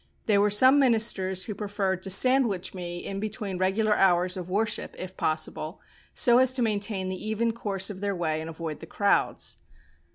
There were some ministers who preferred to sandwich me in between regular hours of worship, if possible, so as to maintain the even course of their way and avoid the crowds.